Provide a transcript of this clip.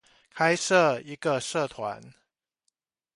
開設一個社團